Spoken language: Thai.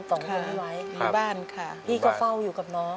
พี่ก็เฝ้าอยู่กับน้อง